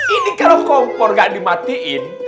ini kalau kompor gak dimatiin